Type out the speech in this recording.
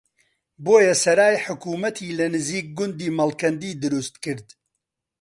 بۆیە سەرای حکومەتی لە نزیک گوندی مەڵکەندی دروستکرد